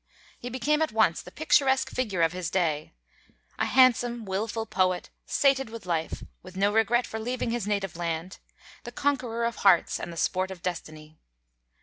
He became at once the picturesque figure of his day, a handsome, willful poet, sated with life, with no regret for leaving his native land; the conqueror of hearts and the sport of destiny.